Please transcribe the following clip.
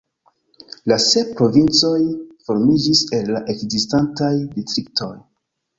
La sep provincoj formiĝis el la ekzistantaj distriktoj.